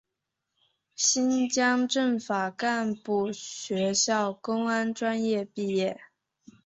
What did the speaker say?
新疆政法干部学校公安专业毕业。